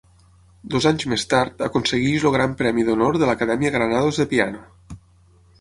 Dos anys més tard aconsegueix el Gran Premi d'Honor de l'Acadèmia Granados de piano.